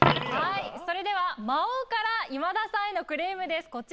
はいそれでは魔王から今田さんへのクレームです。